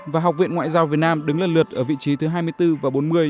và học viện ngoại giao việt nam đứng lần lượt ở vị trí thứ hai mươi bốn và bốn mươi